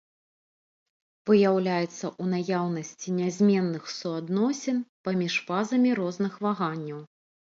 Выяўляецца ў наяўнасці нязменных суадносін паміж фазамі розных ваганняў.